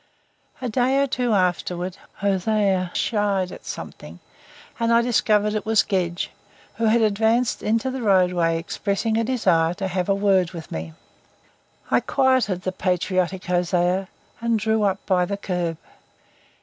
A day or two afterwards Hosea shied at something and I discovered it was Gedge, who had advanced into the roadway expressing a desire to have a word with me. I quieted the patriotic Hosea and drew up by the kerb.